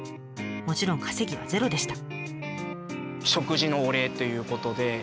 もちろん稼ぎはゼロでした。